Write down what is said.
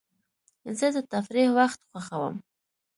زه د تفریح وخت خوښوم.